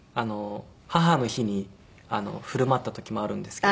母の日に振る舞った時もあるんですけど。